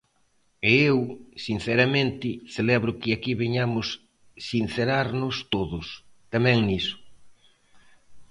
E eu, sinceramente, celebro que aquí veñamos sincerarnos todos, tamén niso.